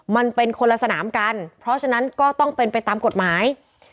มันเป็นคนละสนามกันเพราะฉะนั้นก็ต้องเป็นไปตามกฎหมาย